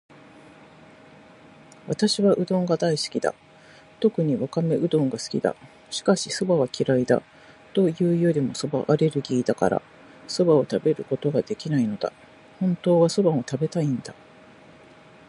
私はうどんが大好きだ。特にわかめうどんが好きだ。しかし、蕎麦は嫌いだ。というよりも蕎麦アレルギーだから、蕎麦を食べることができないのだ。本当は蕎麦も食べたいんだ。